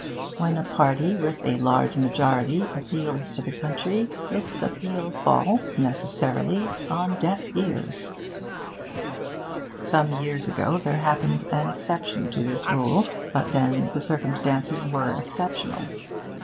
When a party with a large majority appeals to the country, its appeal falls, necessarily, on deaf ears. Some years ago there happened an exception to this rule. But then the circumstances were exceptional.